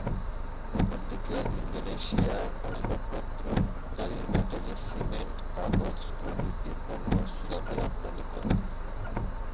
অপরদিকে, ইন্দোনেশিয়া, আসবাবপত্র, গাড়ির ব্যাটারি, সিমেন্ট, কাগজ প্রভৃতি পণ্য সুদানে রপ্তানি করে।